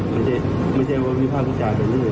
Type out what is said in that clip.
ใช่ไหมไม่ใช่ว่าวิภาพุทธิจารย์เป็นเรื่อง